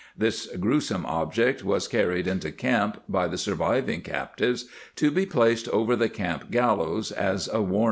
This grewsome object was carried into camp by the surviving captives, to be placed over the camp gallows as a Warning to all.''